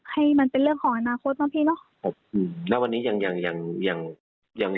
ให้มันเป็นเรื่องของอนาคตเนาะพี่เนอะครับอืมแล้ววันนี้ยังยังอย่างยัง